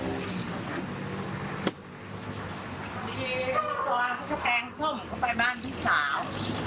มีสวนสวนแดงส้มเข้าไปบ้านพี่สาว